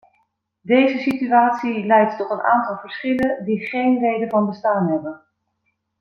Deze situatie leidt tot een aantal verschillen die geen reden van bestaan hebben.